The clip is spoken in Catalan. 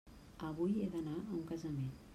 Avui he d'anar a un casament.